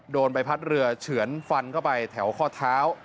โดนใบพัดเรือเฉือนฟันเข้าไปแถวข้อเท้า